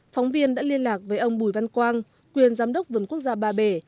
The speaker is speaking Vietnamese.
phóng viên đã liên lạc với ông bùi văn quang quyền giám đốc vườn quốc gia ba bể